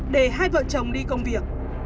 để hai vợ chồng đi công việc